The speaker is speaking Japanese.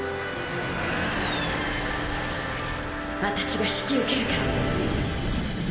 私が引き受けるから。